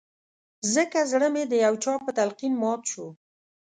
ځکه زړه مې د يو چا په تلقين مات شو